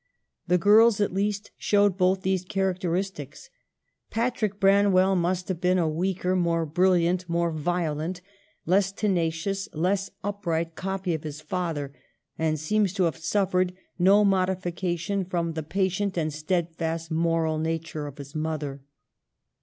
The girls, at least, showed both these characteristics. Patrick Bran well must have been a weaker, more bril liant, more violent, less tenacious, less upright copy of his father ; and seems to have suffered no modification from the patient and steadfast moral nature of his mother.